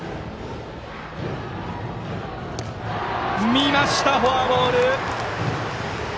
見ました、フォアボール！